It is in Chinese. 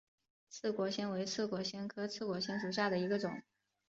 刺果藓为刺果藓科刺果藓属下的一个种。